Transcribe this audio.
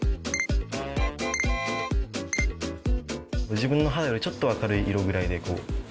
自分の肌よりちょっと明るい色ぐらいで。